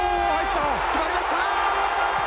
決まりました！